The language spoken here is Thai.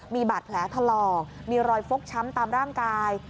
มีบัตรแผลทะเลาะมีรอยฟกช้ำตามร่างกาย